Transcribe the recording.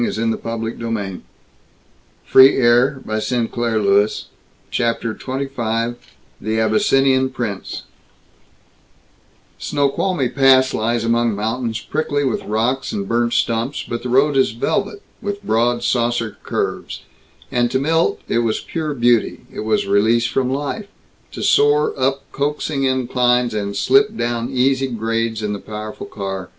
Oh, why why why was I insane on that station platform?" CHAPTER XXV THE ABYSSINIAN PRINCE Snoqualmie Pass lies among mountains prickly with rocks and burnt stumps, but the road is velvet, with broad saucer curves; and to Milt it was pure beauty, it was release from life, to soar up coaxing inclines and slip down easy grades in the powerful car.